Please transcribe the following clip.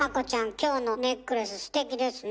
今日のネックレスステキですね。